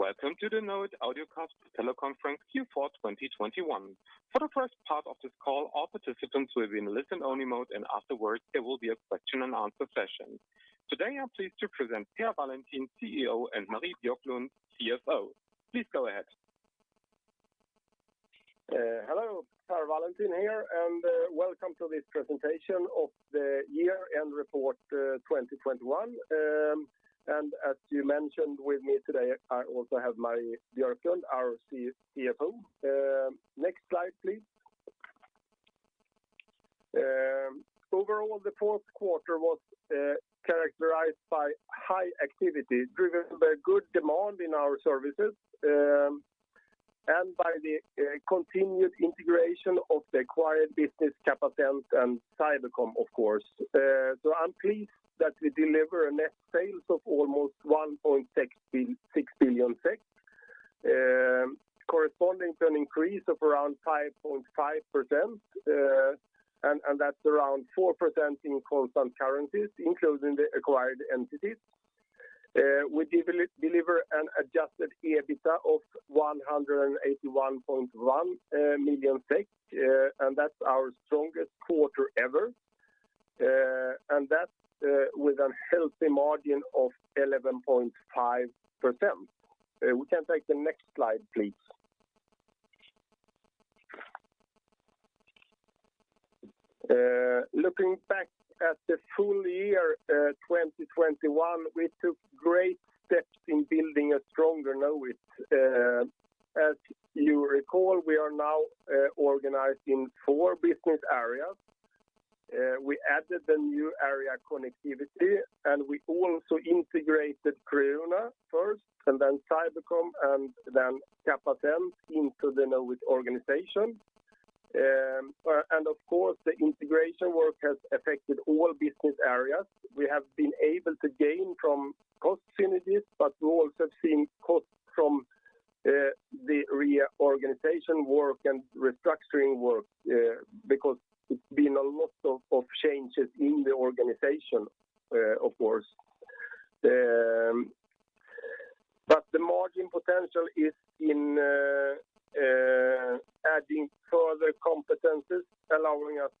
Welcome to the Knowit audiocast teleconference Q4 2021. For the first part of this call, all participants will be in listen-only mode, and afterwards, there will be a question-and-answer session. Today, I'm pleased to present Per Wallentin, CEO, and Marie Björklund, CFO. Please go ahead. Hello. Per Wallentin here, and welcome to this presentation of the year-end report 2021. And as you can see with me today, I also have Marie Björklund, our CFO. Next slide, please. Overall, the Q4 was characterized by high activity driven by good demand in our services, and by the continued integration of the acquired business Capacent and Cybercom, of course. I'm pleased that we deliver net sales of almost 1.66 billion, corresponding to an increase of around 5.5%, and that's around 4% in constant currencies, including the acquired entities. We deliver an adjusted EBITDA of 181.1 million SEK, and that's our strongest quarter ever. That's with a healthy margin of 11.5%. We can take the next slide, please. Looking back at the full year 2021, we took great steps in building a stronger Knowit. As you recall, we are now organized in four business areas. We added the new area Connectivity, and we also integrated Creuna first and then Cybercom and then Capacent into the Knowit organization. Of course, the integration work has affected all business areas. We have been able to gain from cost synergies, but we've also seen costs from the reorganization work and restructuring work because it's been a lot of changes in the organization, of course. The margin potential is in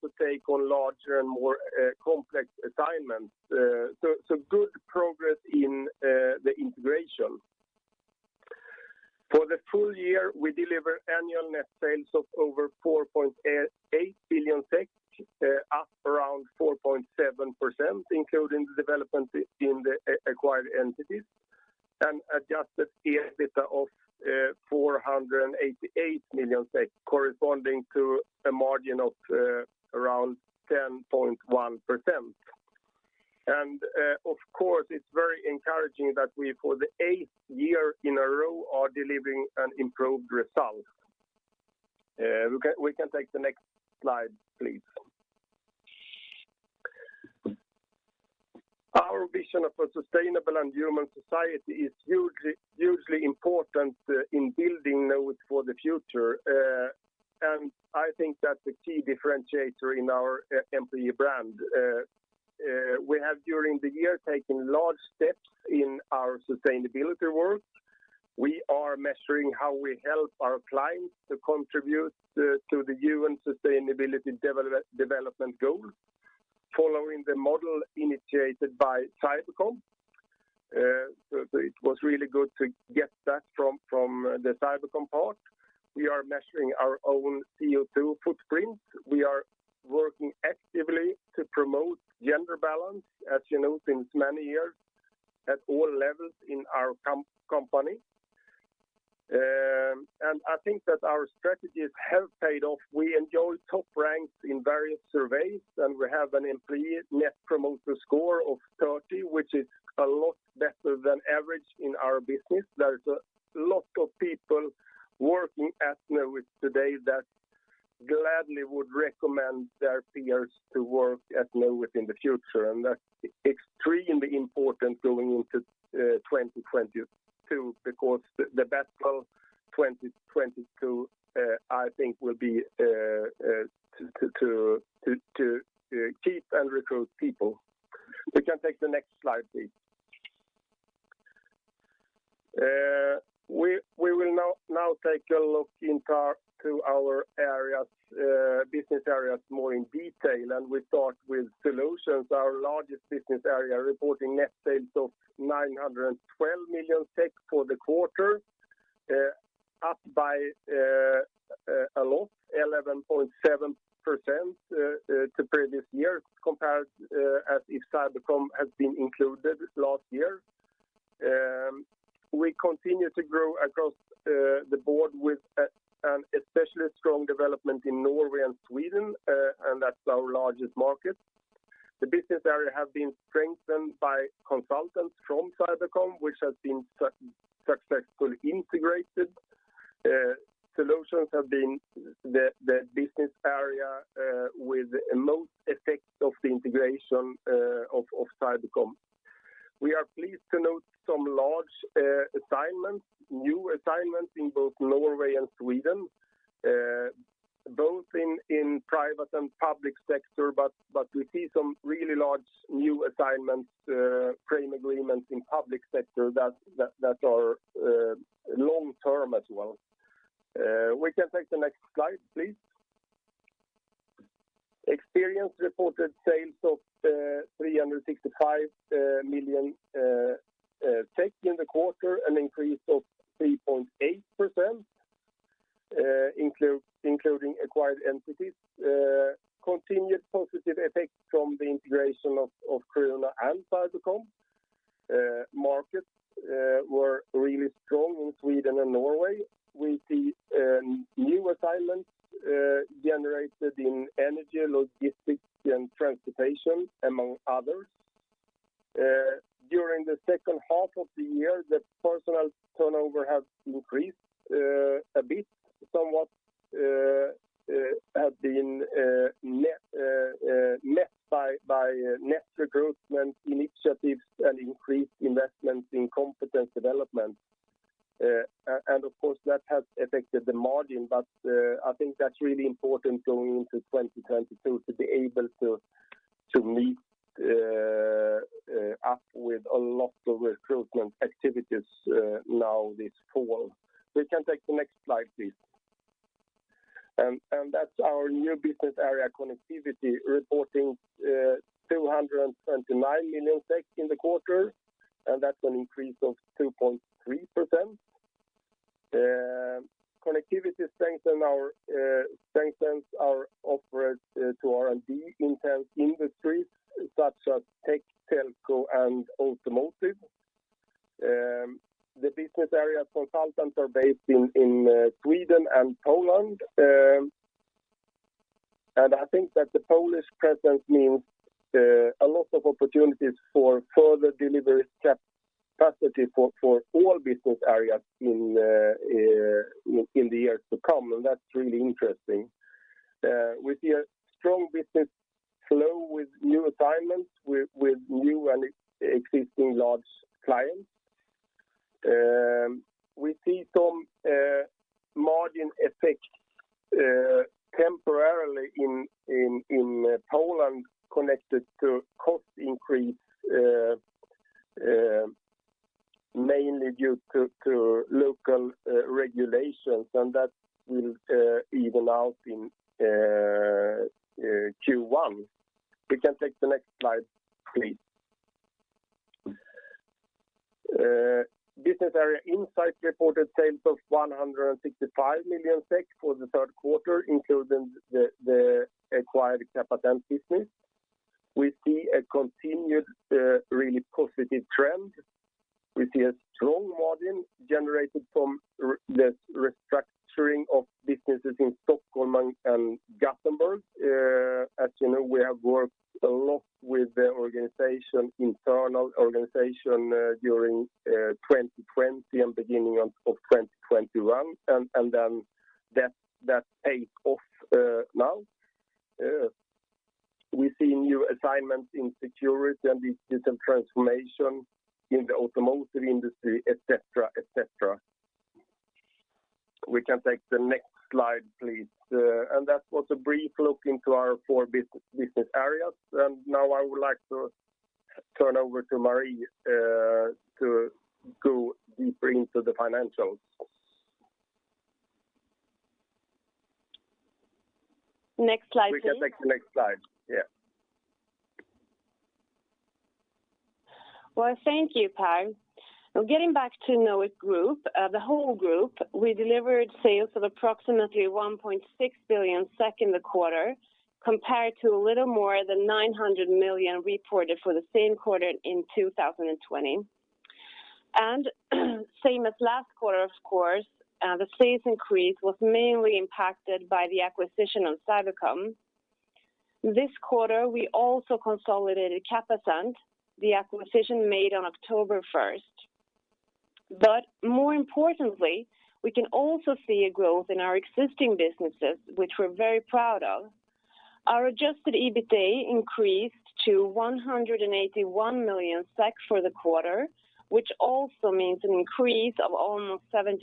adding further competencies, allowing us to take on larger and more complex assignments. So good progress in the integration. For the full year, we deliver annual net sales of over 4.8 billion, up around 4.7%, including the development in the acquired entities, and adjusted EBITDA of SEK 488 million, corresponding to a margin of around 10.1%. Of course, it's very encouraging that we, for the eighth year in a row, are delivering an improved result. We can take the next slide, please. Our vision of a sustainable and human society is hugely important in building Knowit for the future. I think that's a key differentiator in our employee brand. We have, during the year, taken large steps in our sustainability work. We are measuring how we help our clients to contribute to the UN Sustainable Development Goal, following the model initiated by Cybercom. It was really good to get that from the Cybercom part. We are measuring our own CO2 footprint. We are working actively to promote gender balance, as you know, since many years at all levels in our company. I think that our strategies have paid off. We enjoy top ranks in various surveys, and we have an Employee Net Promoter Score of 30, which is a lot better than average in our business. There's a lot of people working at Knowit today that gladly would recommend their peers to work at Knowit in the future. That's extremely important going into 2022 because the battle 2022, I think will be to keep and recruit people. We can take the next slide, please. We will now take a look into our business areas more in detail. We start with Solutions, our largest business area, reporting net sales of 912 million for the quarter, up by a lot 11.7% to previous year compared as if Cybercom has been included last year. We continue to grow across the board with an especially strong development in Norway and Sweden, and that's our largest market. The business area have been strengthened by consultants from Cybercom, which has been successfully integrated. Solutions have been the business area with the most effect of the integration of Cybercom. We are pleased to note some large assignments, new assignments in both Norway and Sweden. Both in private and public sector, but we see some really large new assignments, frame agreements in public sector that are long-term as well. We can take the next slide, please. Experience reported sales of 365 million in the quarter, an increase of 3.8% including acquired entities. Continued positive effect from the integration of Creuna and Cybercom. Markets were really strong in Sweden and Norway. We see new assignments generated in energy, logistics, and transportation, among others. During the second half of the year, the personnel turnover has increased a bit. Somewhat has been met by net recruitment initiatives and increased investments in competence development. Of course, that has affected the margin, but I think that's really important going into 2022 to be able to meet up with a lot of recruitment activities now this fall. We can take the next slide, please. That's our new business area Connectivity reporting 279 million in the quarter, and that's an increase of 2.3%. Connectivity strengthens our offers to R&D-intensive industries such as tech, telco, and automotive. The business area consultants are based in Sweden and Poland. I think that the Polish presence means a lot of opportunities for further delivery capacity for all business areas in the years to come, and that's really interesting. We see a strong business flow with new assignments with new and existing large clients. We see some margin effects temporarily in Poland connected to cost increases mainly due to local regulations, and that will even out in Q1. We can take the next slide, please. Business area Insight reported sales of SEK 165 million for the Q3, including the acquired Capacent business. We see a continued really positive trend. We see a strong margin generated from the restructuring of businesses in Stockholm and Gothenburg. As you know, we have worked a lot with the organization, internal organization, during 2020 and beginning of 2021, and that paid off now. We see new assignments in security and digital transformation in the automotive industry, et cetera, et cetera. We can take the next slide, please. That was a brief look into our four business areas. Now I would like to turn over to Marie to go deeper into the financials. Next slide, please. We can take the next slide. Yeah. Well, thank you, Per. Now getting back to Knowit Group, the whole group, we delivered sales of approximately 1.6 billion in the Q2, compared to a little more than 900 million reported for the same quarter in 2020. Same as last quarter, of course, the sales increase was mainly impacted by the acquisition of Cybercom. This quarter, we also consolidated Capacent, the acquisition made on October first. But more importantly, we can also see a growth in our existing businesses, which we're very proud of. Our adjusted EBITA increased to 181 million SEK for the quarter, which also means an increase of almost 70%.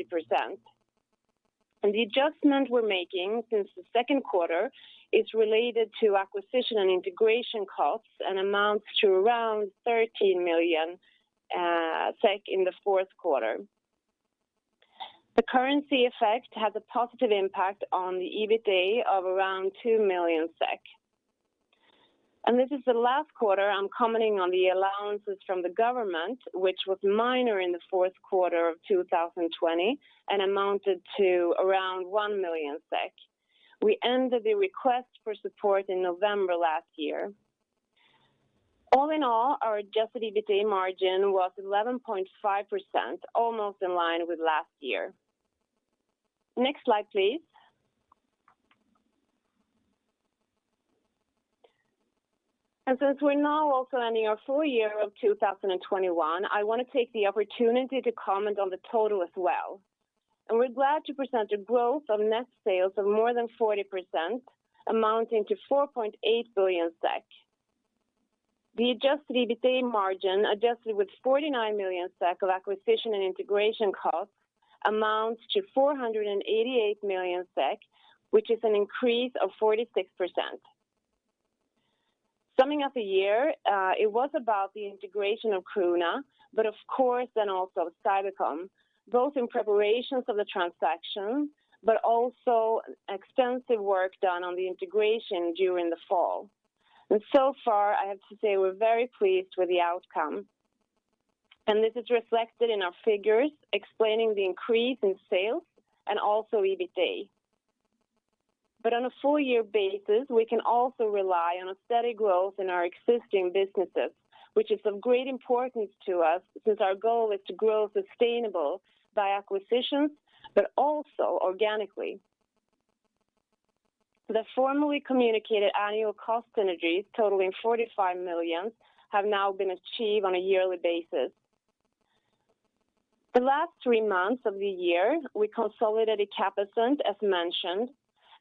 The adjustment we're making since the Q2 is related to acquisition and integration costs and amounts to around 13 million SEK in the Q4. The currency effect has a positive impact on the EBITA of around 2 million SEK. This is the last quarter I'm commenting on the allowances from the government, which was minor in the Q4 of 2020 and amounted to around 1 million SEK. We ended the request for support in November last year. All in all, our adjusted EBITA margin was 11.5%, almost in line with last year. Next slide, please. Since we're now also ending our full year of 2021, I want to take the opportunity to comment on the total as well. We're glad to present a growth of net sales of more than 40%, amounting to 4.8 billion SEK. The adjusted EBITA margin adjusted with 49 million SEK of acquisition and integration costs amounts to 488 million SEK, which is an increase of 46%. Summing up the year, it was about the integration of Creuna, but of course then also Cybercom, both in preparations of the transaction, but also extensive work done on the integration during the fall. So far, I have to say we're very pleased with the outcome. This is reflected in our figures explaining the increase in sales and also EBITA. On a full year basis, we can also rely on a steady growth in our existing businesses, which is of great importance to us since our goal is to grow sustainable by acquisitions, but also organically. The formally communicated annual cost synergies totaling 45 million have now been achieved on a yearly basis. The last three months of the year, we consolidated Capacent, as mentioned,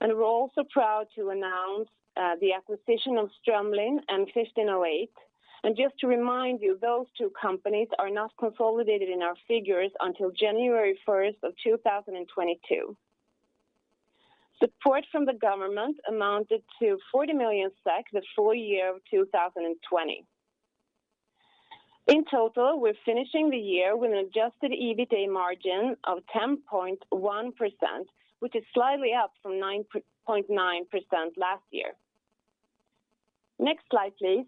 and we're also proud to announce the acquisition of Strømlin and 1508. Just to remind you, those two companies are not consolidated in our figures until January 1st 2022. Support from the government amounted to 40 million SEK the full year of 2020. In total, we're finishing the year with an adjusted EBITA margin of 10.1%, which is slightly up from 9.9% last year. Next slide, please.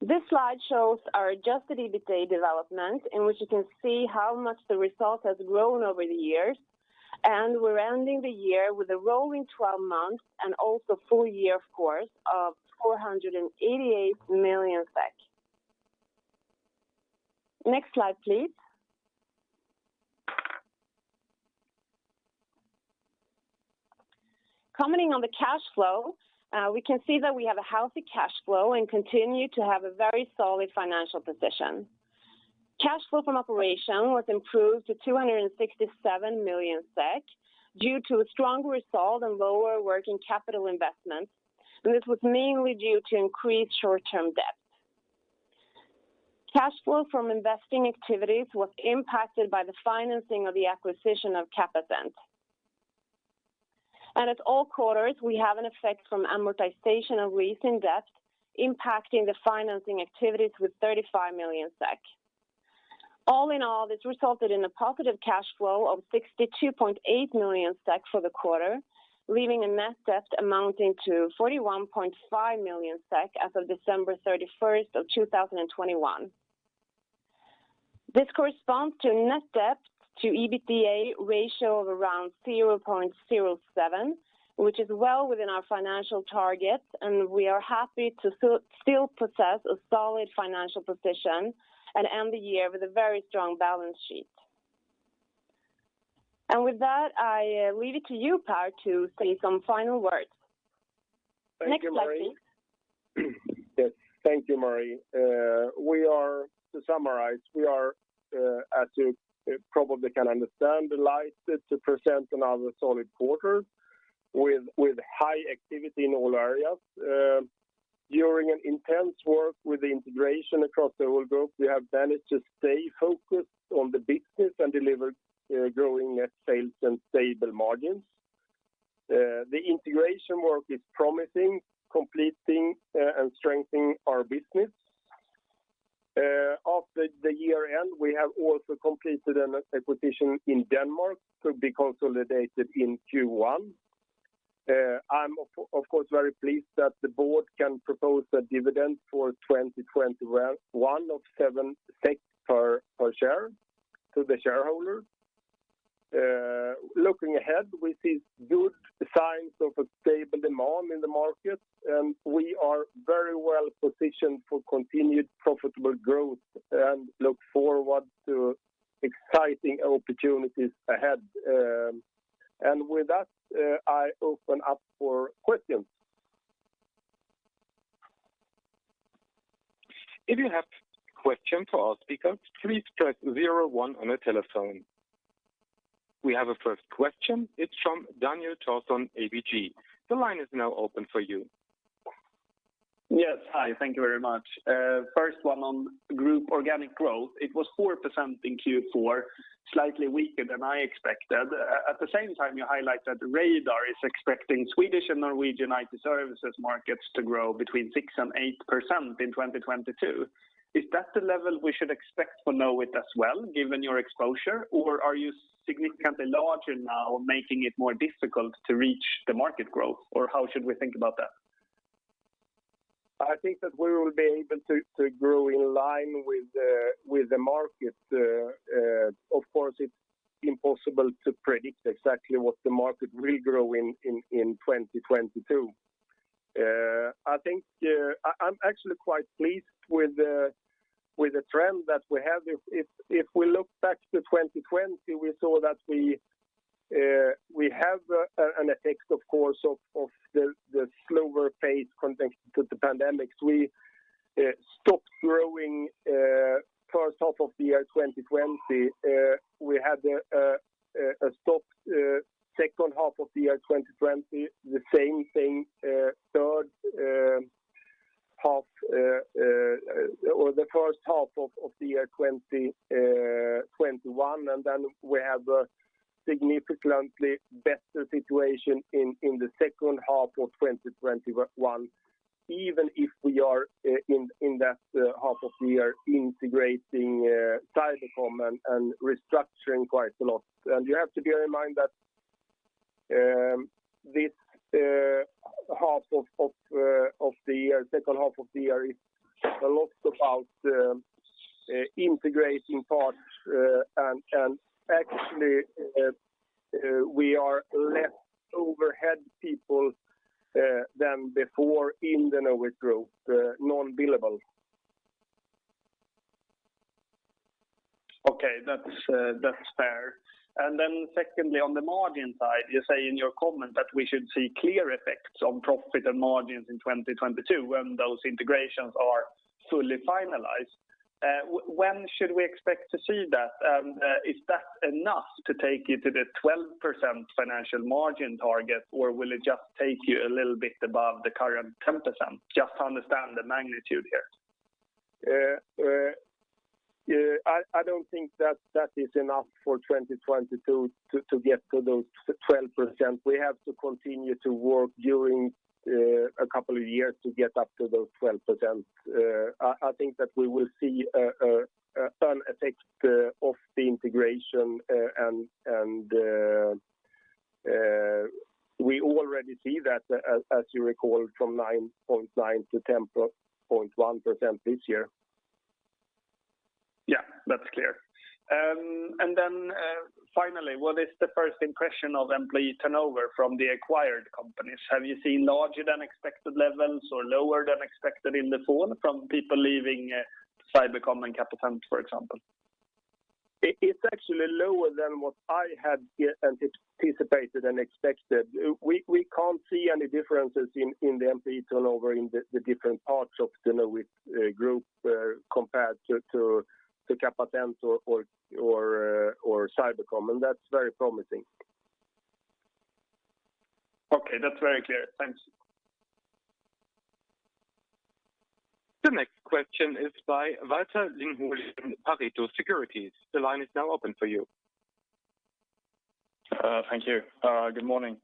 This slide shows our adjusted EBITA development in which you can see how much the result has grown over the years. We're ending the year with a rolling twelve months and also full year, of course, of 488 million SEK. Next slide, please. Commenting on the cash flow, we can see that we have a healthy cash flow and continue to have a very solid financial position. Cash flow from operation was improved to 267 million SEK due to a stronger result and lower working capital investments, and this was mainly due to increased short-term debt. Cash flow from investing activities was impacted by the financing of the acquisition of Capacent. At all quarters, we have an effect from amortization of recent debt impacting the financing activities with 35 million SEK. All in all, this resulted in a positive cash flow of 62.8 million SEK for the quarter, leaving a net debt amounting to 41.5 million SEK as of December 31st 2021. This corresponds to a net debt to EBITDA ratio of around 0.07, which is well within our financial targets, and we are happy to still possess a solid financial position and end the year with a very strong balance sheet. With that, I leave it to you, Per, to say some final words. Next slide, please. Thank you, Marie. To summarize, we are, as you probably can understand, delighted to present another solid quarter with high activity in all areas. During an intense work with the integration across the whole group, we have managed to stay focused on the business and deliver growing net sales and stable margins. The integration work is promising, completing, and strengthening our business. After the year-end, we have also completed an acquisition in Denmark to be consolidated in Q1. I'm of course very pleased that the board can propose a dividend for 2021 of 7 SEK per share to the shareholder. Looking ahead, we see good signs of a stable demand in the market, and we are very well positioned for continued profitable growth and look forward to exciting opportunities ahead. With that, I open up for questions. We have a first question. It's from Daniel Thorsson, ABG. The line is now open for you. Yes. Hi. Thank you very much. First one on group organic growth. It was 4% in Q4, slightly weaker than I expected. At the same time, you highlight that Radar is expecting Swedish and Norwegian IT services markets to grow between six percent and eight percent in 2022. Is that the level we should expect for Knowit as well, given your exposure? Or are you significantly larger now, making it more difficult to reach the market growth? Or how should we think about that? I think that we will be able to grow in line with the market. Of course, it's impossible to predict exactly what the market will grow in 2022. I think I'm actually quite pleased with the trend that we have. If we look back to 2020, we saw that we have an effect, of course, of the slower pace contrasted to the pandemic. We stopped growing in the first half of the year 2020. We had stopped in the second half of the year 2020. The same thing, third, half, or the first half of the year 2021, and then we have a significantly better situation in the second half of 2021, even if we are in that half of the year integrating Cybercom and restructuring quite a lot. You have to bear in mind that this half of the year, second half of the year is a lot about integrating parts, and actually we are less overhead people than before in the Knowit group, non-billable. Okay. That's fair. Secondly, on the margin side, you say in your comment that we should see clear effects on profit and margins in 2022 when those integrations are fully finalized. When should we expect to see that? Is that enough to take you to the 12% financial margin target, or will it just take you a little bit above the current 10%? Just to understand the magnitude here. I don't think that is enough for 2022 to get to those 12%. We have to continue to work during a couple of years to get up to those 12%. I think that we will see an effect of the integration, and we already see that, as you recall, from 9.9% to 10.1% this year. Yeah. That's clear. Finally, what is the first impression of employee turnover from the acquired companies? Have you seen larger than expected levels or lower than expected in the fallout from people leaving, Cybercom and Capacent, for example? It's actually lower than what I had anticipated and expected. We can't see any differences in the employee turnover in the different parts of the Knowit group compared to Capacent or Cybercom, and that's very promising. Okay. That's very clear. Thanks. The next question is by Viktor Lindholm, Pareto Securities. The line is now open for you. Thank you. Good morning.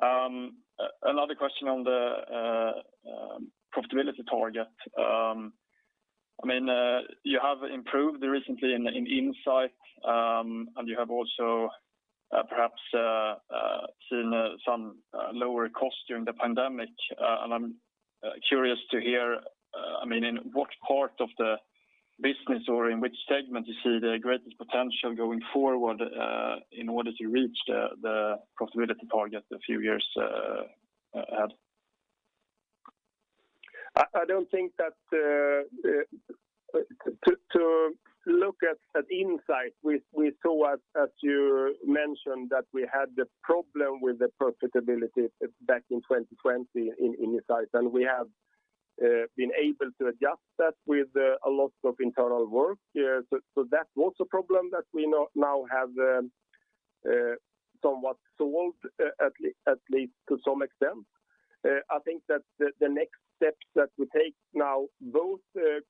Another question on the profitability target. I mean, you have improved recently in Insight, and you have also perhaps seen some lower costs during the pandemic. I'm curious to hear, I mean, in what part of the business or in which segment you see the greatest potential going forward, in order to reach the profitability target a few years ahead? I don't think that to look at Insight, we saw, as you mentioned, that we had the problem with the profitability back in 2020 in Insight, and we have been able to adjust that with a lot of internal work. That was a problem that we now have somewhat solved, at least to some extent. I think that the next steps that we take now, both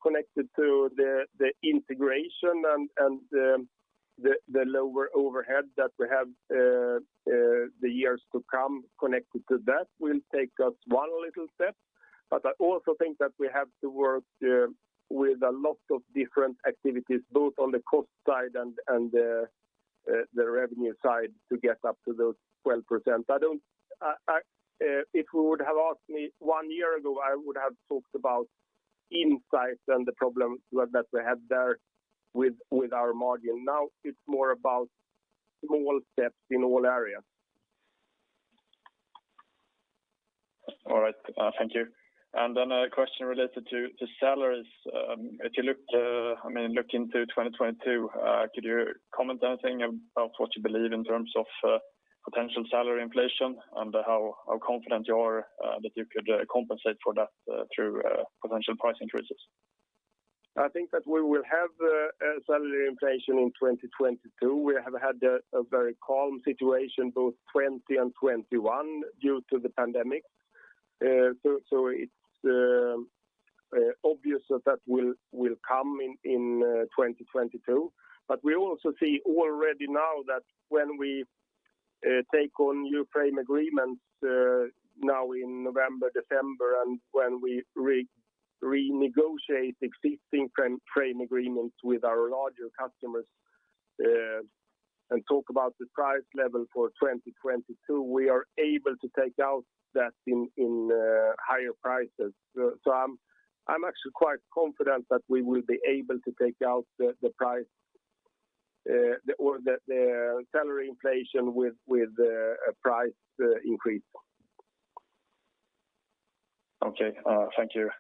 connected to the integration and the lower overhead that we have in the years to come connected to that will take us one little step. I also think that we have to work with a lot of different activities both on the cost side and the revenue side to get up to those 12%. If you would have asked me one year ago, I would have talked about Insight and the problem we had there with our margin. Now it's more about small steps in all areas. All right. Thank you. A question related to salaries. If you look into 2022, could you comment anything about what you believe in terms of potential salary inflation and how confident you are that you could compensate for that through potential price increases? I think that we will have a salary inflation in 2022. We have had a very calm situation both 2020 and 2021 due to the pandemic. It's obvious that will come in 2022. We also see already now that when we take on new frame agreements now in November, December, and when we renegotiate existing frame agreements with our larger customers, and talk about the price level for 2022, we are able to take out that in higher prices. I'm actually quite confident that we will be able to take out the price or the salary inflation with a price increase. Okay. Thank you.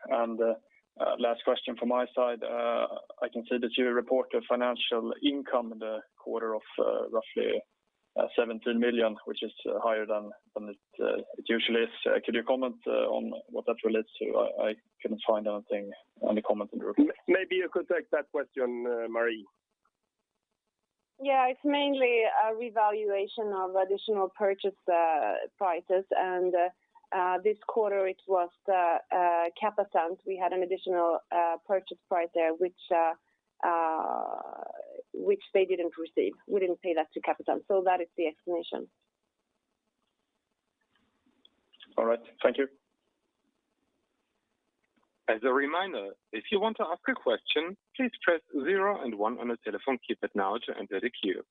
Last question from my side. I can see that you report a financial income in the quarter of roughly 17 million, which is higher than it usually is. Could you comment on what that relates to? I couldn't find anything in the comments in the report. Maybe you could take that question, Marie. Yeah. It's mainly a revaluation of additional purchase prices. This quarter it was the Capacent. We had an additional purchase price there which they didn't receive. We didn't pay that to Capacent. That is the explanation. All right. Thank you. As a reminder, if you want to ask a question, please press zero and one on your telephone keypad now to enter the queue.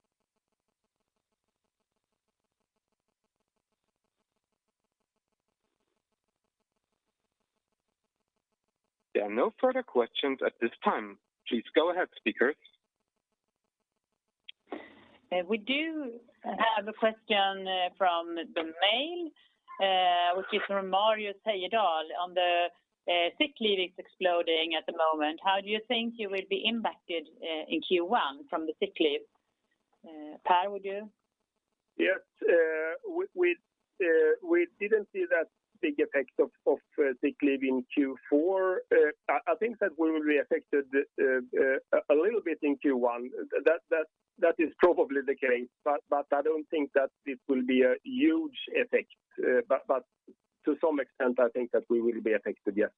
There are no further questions at this time. Please go ahead, speakers. We do have a question from the mail, which is from Mario Tejeda on the sick leave is exploding at the moment. How do you think you will be impacted in Q1 from the sick leave? Per, would you? Yes. We didn't see that big effect of sick leave in Q4. I think that we will be affected a little bit in Q1. That is probably the case, but I don't think that it will be a huge effect. To some extent I think that we will be affected, yes.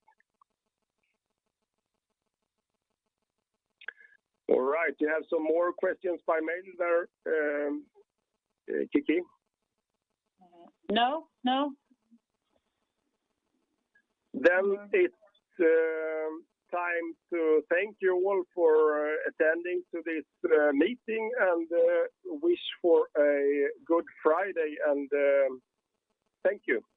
All right. Do you have some more questions by mail there, Kiki? No. It's time to thank you all for attending this meeting and wish you a good Friday and thank you.